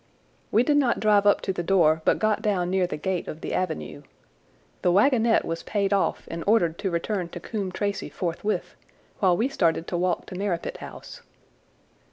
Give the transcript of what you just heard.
We did not drive up to the door but got down near the gate of the avenue. The wagonette was paid off and ordered to return to Coombe Tracey forthwith, while we started to walk to Merripit House.